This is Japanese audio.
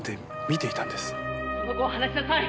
「その子を離しなさい！」